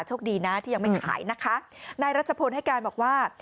โชคดีนะที่ยังไม่ขายนะคะนายรัชพลให้การบอกว่า